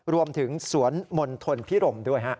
รวมถึงสวนมณฑลพิรมด้วย